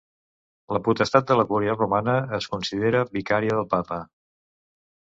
La potestat de la cúria romana es considera vicària del papa.